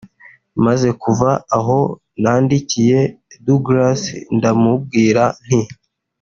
Maze kuva aho nandikiye Douglas ndamubwira nti